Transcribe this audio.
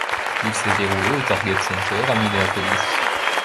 Il s'est déroulé au Target Center à Minneapolis.